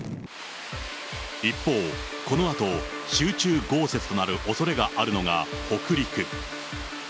一方、このあと集中豪雪となるおそれがあるのが北陸。